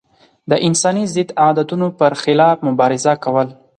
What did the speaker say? د انساني ضد عادتونو پر خلاف مبارزه کول.